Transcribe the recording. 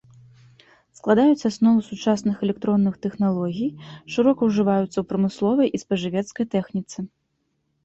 Складаюць аснову сучасных электронных тэхналогій, шырока ўжываюцца ў прамысловай і спажывецкай тэхніцы.